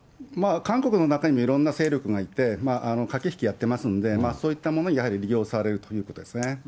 韓国の中にもいろんな勢力がいて、駆け引きやってますんで、そういったものをやはり利用されるということですね。